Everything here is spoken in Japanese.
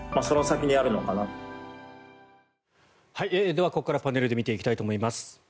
ではここからパネルで見ていきたいと思います。